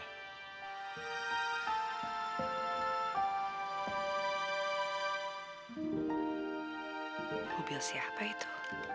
mobil siapa itu